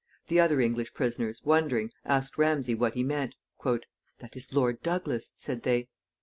The other English prisoners, wondering, asked Ramsay what he meant. "That is Lord Douglas," said they.